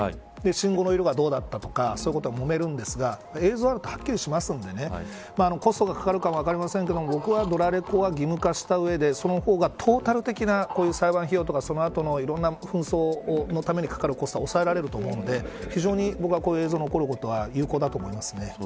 信号の色がどうだったとかもめるんですが映像があるとはっきりしますのでコストがかかるかもしれませんがドラレコは、義務化した上でその方がトータル的な裁判費用とかその後のいろいろな紛争のためにかかるコストを抑えられると思うので僕はこういう映像が残ること非常に有効だと思います。